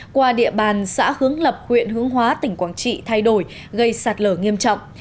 qua địa bàn xã hướng lập huyện hướng hóa tỉnh quảng trị thay đổi gây sạt lở nghiêm trọng